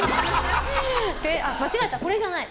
間違えた、これじゃない。